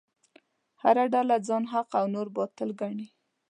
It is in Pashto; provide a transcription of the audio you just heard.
هره ډله ځان حق او نور باطل ګڼي.